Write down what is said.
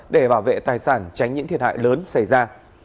để bảo vệ tài sản tránh những thiệt hại lớn xảy ra